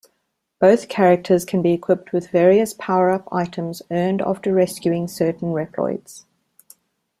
Both characters can be equipped with various power-up items earned after rescuing certain Reploids.